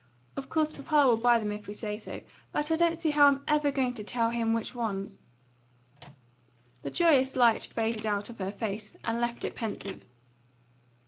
Of course papa will buy them if we say so. But I don't see how I'm ever going to tell him which ones." The joyous light faded out of her face and left it pensive.